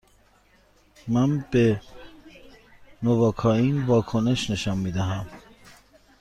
من به نواکائین واکنش نشان می دهم.